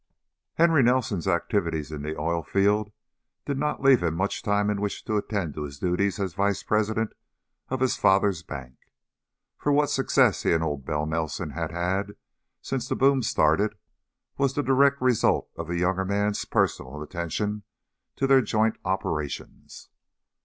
Henry Nelson's activities in the oil fields did not leave him much time in which to attend to his duties as vice president of his father's bank, for what success he and Old Bell Nelson had had since the boom started was the direct result of the younger man's personal attention to their joint operations.